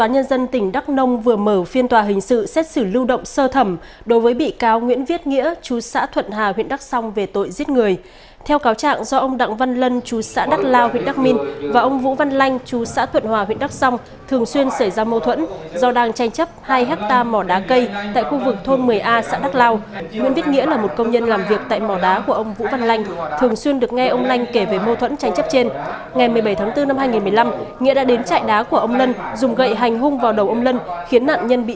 hãy đăng ký kênh để ủng hộ kênh của chúng mình nhé